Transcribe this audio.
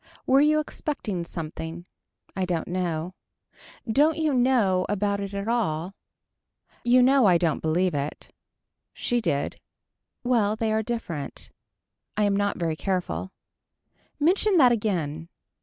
Were you expecting something. I don't know. Don't you know about it at all. You know I don't believe it. She did. Well they are different I am not very careful. Mention that again.